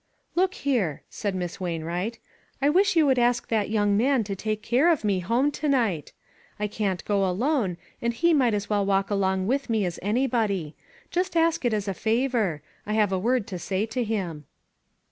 " Look here," said Miss Wainwright, " I wish you would ask that young man to take care of me home to night. I can't go alone, and he might as well walk along with me as anybody. Just ask it as a favor. I have a word to say to him."